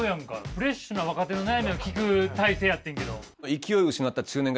フレッシュな若手の悩みを聞く態勢やってんけど。